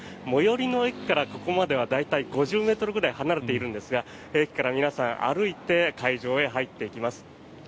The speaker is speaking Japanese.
最寄りの駅からここまでは大体５０ｍくらい離れているんですが駅から皆さん歩いて会場へ入っていきます。